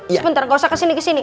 sebentar gausah kesini kesini